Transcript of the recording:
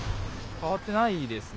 変わってないですね。